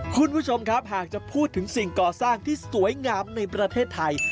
คุณผู้ชมครับหากจะพูดถึงสิ่งก่อสร้างที่สวยงามในประเทศไทย